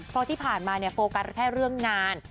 เพราะที่ผ่านมาโฟกัสแค่เรื่องงาน